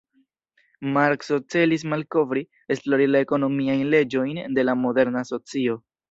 Markso celis malkovri, esplori la ekonomiajn leĝojn de la moderna socio.